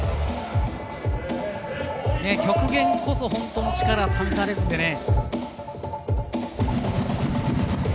極限こそ本当の力が試されるんでね。